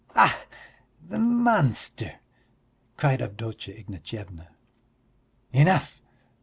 "Ach, the monster!" cried Avdotya Ignatyevna. "Enough!"